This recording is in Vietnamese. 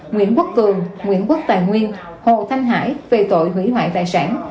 nguyễn quốc cường nguyễn quốc tài nguyên hồ thanh hải về tội hủy hoại tài sản